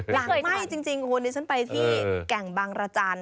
หลังไม่จริงคนนี้ฉันไปที่แก่งบางราชาญ